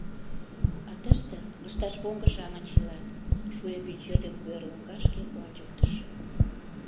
А тыште лышташвоҥго-шамыч илат, — шуэ пӱнчер ден куэр лоҥгашке ончыктыш.